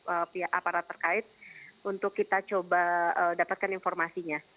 tapi aparat terkait untuk kita coba dapatkan informasinya